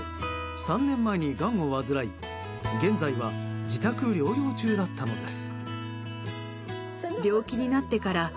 ３年前にがんを患い現在は自宅療養中だったのです。